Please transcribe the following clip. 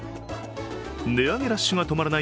値上げラッシュが止まらない